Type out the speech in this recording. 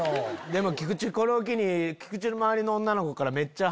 でも菊池これを機に菊池の周りの女の子から。